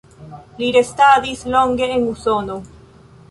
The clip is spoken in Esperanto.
Li restadis longe en Usono.